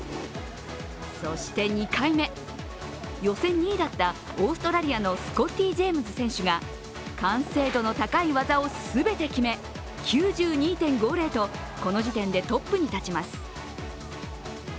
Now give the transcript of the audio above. そして２回目、予選２位だったオーストラリアのスコッティ・ジェームズ選手が完成度の高い技を全て決め９２．５０とこの時点でトップに立ちます。